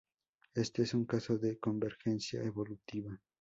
Este es un caso de convergencia evolutiva.